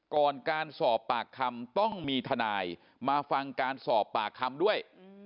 ก่อนการสอบปากคำต้องมีทนายมาฟังการสอบปากคำด้วย